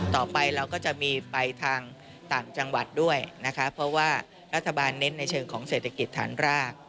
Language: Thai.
ต่อไปเราก็จะมีไปทางต่างจังหวัดด้วยนะคะเพราะว่ารัฐบาลเน้นในเชิงของเศรษฐกิจฐานราก